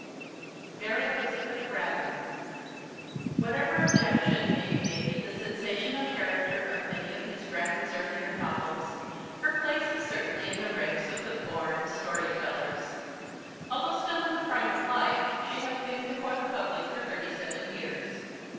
MARY ELIZABETH BRADDON (1837 ) Whatever objections may be made to the sensational character of many of Miss Braddon's earlier novels, her place is certainly in the ranks of the "born" story tellers. Although still in the prime of life, she has been before the public for thirty seven years.